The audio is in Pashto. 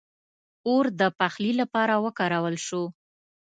• اور د پخلي لپاره وکارول شو.